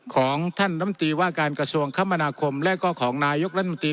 ของท่านลำตีว่าการกระทรวงคมนาคมและก็ของนายกรัฐมนตรี